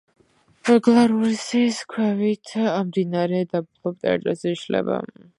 გლარუსის ქვევით მდინარე დაბლობ ტერიტორიაზე იშლება.